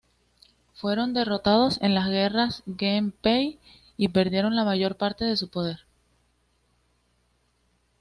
Fueron derrotados en las Guerras Genpei, y perdieron la mayor parte de su poder.